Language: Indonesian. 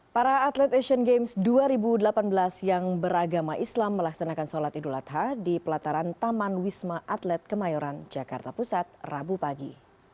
para atlet asian games dua ribu delapan belas yang beragama islam melaksanakan sholat idul adha di pelataran taman wisma atlet kemayoran jakarta pusat rabu pagi